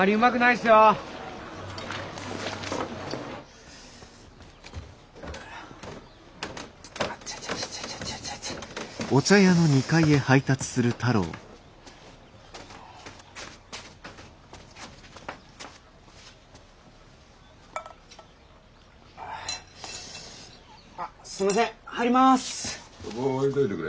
・そこ置いといてくれ。